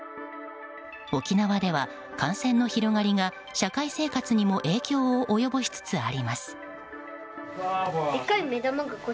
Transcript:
沖縄では感染の広がりが社会生活にも影響を及ぼしつつあります。